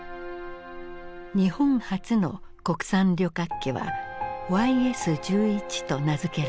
日本初の国産旅客機はＹＳ−１１と名付けられた。